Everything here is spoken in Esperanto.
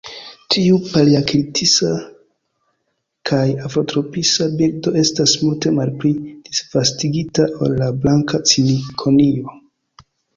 Tiu palearktisa kaj afrotropisa birdo estas multe malpli disvastigita ol la Blanka cikonio.